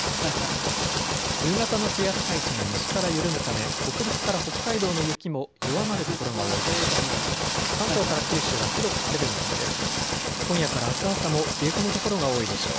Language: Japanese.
冬型の気圧配置が西から緩むため北陸から北海道の雪も弱まる所が多いでしょう。